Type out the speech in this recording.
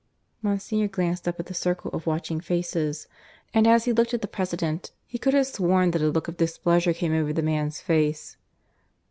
Monsignor glanced up at the circle of watching faces, and as he looked at the President, he could have sworn that a look of displeasure came over the man's face.